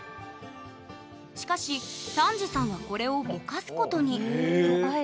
しかし丹治さんはこれをぼかすことにへえ。